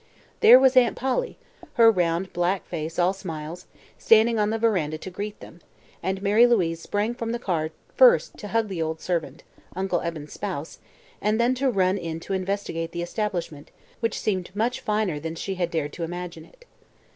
There was Aunt Polly, her round black face all smiles, standing on the veranda to greet them, and Mary Louise sprang from the car first to hug the old servant Uncle Eben's spouse and then to run in to investigate the establishment, which seemed much finer than she had dared to imagine it.